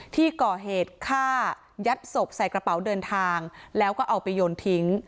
ที่ก่อเหตุฆ่ายัดศพใส่กระเป๋าเดินทางแล้วก็เอาไปโยนทิ้ง